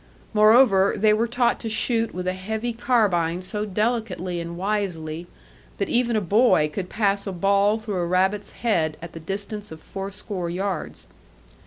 Moreover, they were taught to shoot with a heavy carbine so delicately and wisely, that even a boy could pass a ball through a rabbit's head at the distance of fourscore yards.